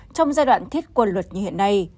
trong giai đoạn thiết kế